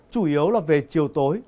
chủ yếu là về chiều tối